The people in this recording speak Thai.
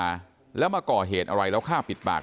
คือป้าไปดูครั้งแรกคิดว่าเขาเมาคือป้าไปดูครั้งแรกคิดว่าเขาเมา